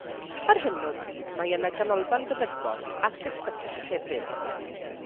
Ar hyn o bryd mae yna ganolfan feddygol, ac ysbyty hefyd.